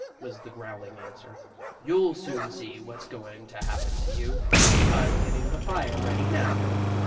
was the growling answer. "You'll soon see what's going to happen to you! I'm getting the fire ready now."